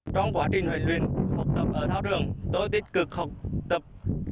trong quá trình luyện học tập ở thao trường tôi tích cực học tập